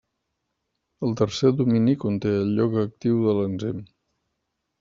El tercer domini conté el lloc actiu de l'enzim.